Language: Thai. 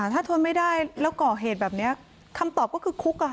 ถ้าทนไม่ได้แล้วก่อเหตุแบบนี้คำตอบก็คือคุก